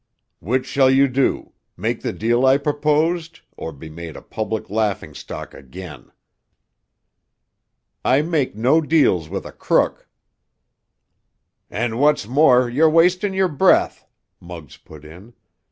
"Which shall you do—make the deal I proposed or be made a public laughingstock again?" "I make no deals with a crook!" "And what's more, you're wastin' your breath," Muggs put in.